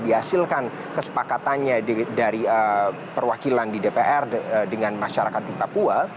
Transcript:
dihasilkan kesepakatannya dari perwakilan di dpr dengan masyarakat di papua